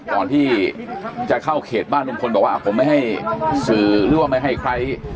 ก่อนที่จะเข้าเขตบ้านลุงพลบอกว่าผมไม่ให้สื่อหรือว่าไม่ให้ใคร